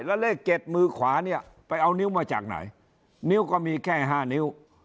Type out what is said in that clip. แล้วเลข๗มือขวาเนี่ยไปเอานิ้วมาจากไหนนิ้วก็มีแค่๕นิ้ว